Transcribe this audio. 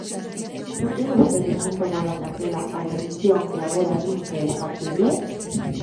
¿Por que vostedes non tomaron daquela a decisión que agora din que é factible?